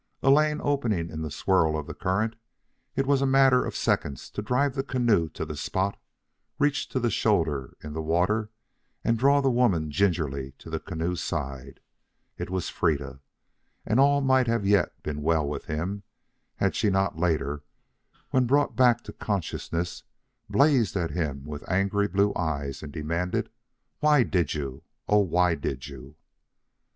A lane opening in the swirl of the current, it was a matter of seconds to drive the canoe to the spot, reach to the shoulder in the water, and draw the woman gingerly to the canoe's side. It was Freda. And all might yet have been well with him, had she not, later, when brought back to consciousness, blazed at him with angry blue eyes and demanded: "Why did you? Oh, why did you?"